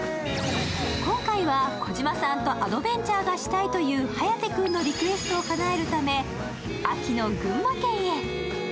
今回は児嶋さんとアドベンチャーがしたいという颯君のリクエストをかなえるため秋の群馬県へ。